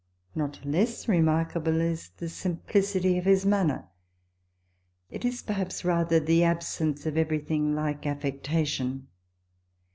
Not less re markable is the simplicity of his manner. It is, perhaps, rather the absence of everything like affectation.